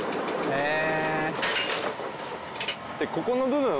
へえ。